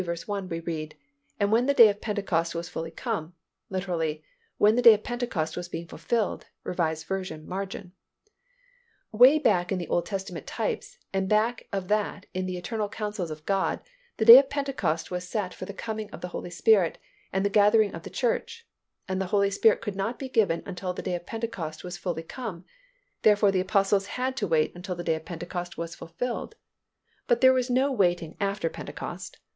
1, we read, "And when the day of Pentecost was fully come" (literally "When the day of Pentecost was being fulfilled," R. V., margin). Way back in the Old Testament types, and back of that in the eternal counsels of God, the day of Pentecost was set for the coming of the Holy Spirit and the gathering of the church, and the Holy Spirit could not be given until the day of Pentecost was fully come, therefore the Apostles had to wait until the day of Pentecost was fulfilled, but there was no waiting after Pentecost.